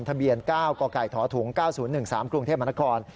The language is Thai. ทะเบียน๙กถ๙๐๑๓กรุงเทพมหาละคร